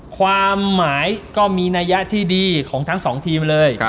ความหมายก็มีนัยยะที่ดีของทั้งสองทีมเลย